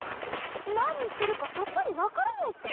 何言ってるかさっぱり分からないっちゃ。